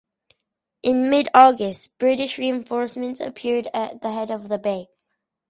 In mid-August, British reinforcements appeared at the head of the bay.